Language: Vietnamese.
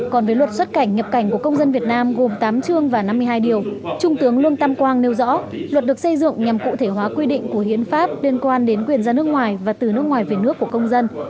còn với luật xuất cảnh nhập cảnh của công dân việt nam gồm tám chương và năm mươi hai điều trung tướng lương tam quang nêu rõ luật được xây dựng nhằm cụ thể hóa quy định của hiến pháp liên quan đến quyền ra nước ngoài và từ nước ngoài về nước của công dân